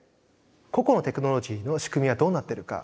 個々のテクノロジーの仕組みがどうなっているか